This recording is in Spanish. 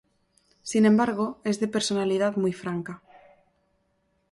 Sin embargo, es de personalidad muy franca.